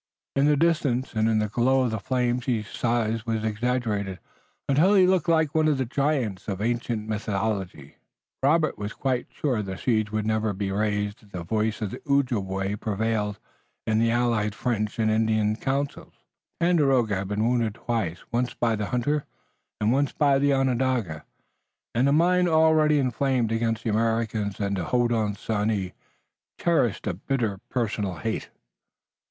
In the distance and in the glow of the flames his size was exaggerated until he looked like one of the giants of ancient mythology. Robert was quite sure the siege would never be raised if the voice of the Ojibway prevailed in the allied French and Indian councils. Tandakora had been wounded twice, once by the hunter and once by the Onondaga, and a mind already inflamed against the Americans and the Hodenosaunee cherished a bitter personal hate.